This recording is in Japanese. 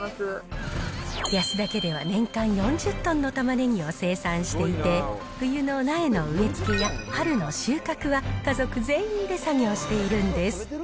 安田家では年間４０トンの玉ねぎを生産していて、冬の苗の植え付けや、春の収穫は家族全員で作業しているんです。